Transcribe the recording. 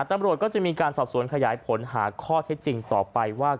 ตำรวจก็จะมีการสอบสวนขยายผลหาข้อเท็จจริงต่อไปว่า